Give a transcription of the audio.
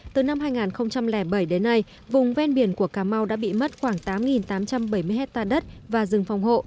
từ năm hai nghìn bảy đến nay vùng ven biển của cà mau đã bị mất khoảng tám tám trăm bảy mươi hectare đất và rừng phòng hộ